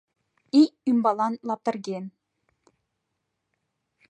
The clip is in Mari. - Ий ӱмбалан лаптырген.